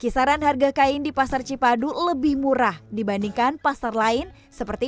kisaran harga kain di pasar cipadu lebih murah dibandingkan pasar lain seperti